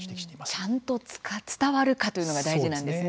「ちゃんと伝わるか」というのが大事なんですね。